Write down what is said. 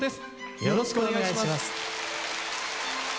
よろしくお願いします。